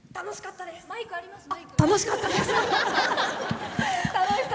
楽しかったです。